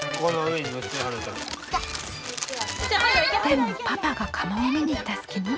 でもパパが窯を見に行った隙に。